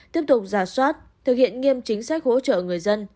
tiếp tục giả soát thực hiện nghiêm chính sách hỗ trợ người dân